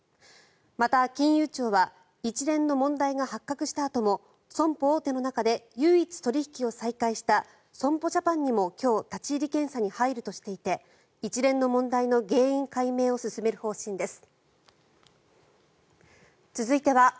また、金融庁は一連の問題が発覚したあとも損保大手の中で唯一、取引を再開した損保ジャパンにも今日立ち入り検査に入るとしていて一連の問題の原因解明を進める方針です。